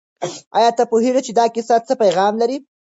آیا ته پوهېږې چې دا کیسه څه پیغام لري؟